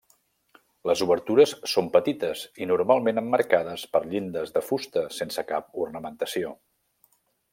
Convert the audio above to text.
Les obertures són petites i normalment emmarcades per llindes de fusta sense cap ornamentació.